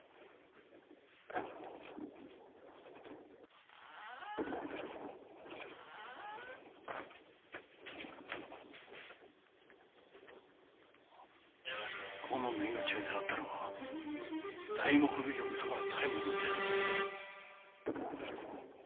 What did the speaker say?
おこのの命を狙ったのは材木奉行相良左衛門の手の者。